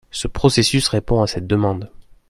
Ce processus répond à cette demande.